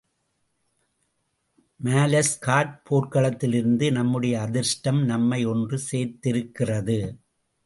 மாலஸ்கார்ட் போர்க்களத்திலிருந்து நம்முடைய அதிர்ஷ்டம் நம்மை ஒன்று சேர்த்திருக்கிறது.